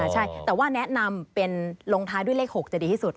ใช่แต่ว่าแนะนำเป็นลงท้ายด้วยเลข๖จะดีที่สุด